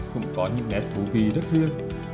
cũng có những nghề thú vị rất hương